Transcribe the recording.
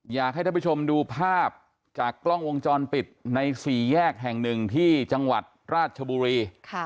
อยากให้ท่านผู้ชมดูภาพจากกล้องวงจรปิดในสี่แยกแห่งหนึ่งที่จังหวัดราชบุรี